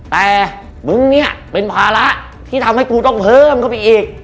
แต่มึงเป็นภาระที่ทำให้กูต้องเพิ่มกับมีอีก